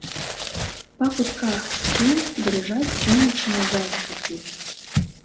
Па кутках сцен дрыжаць сонечныя зайчыкі.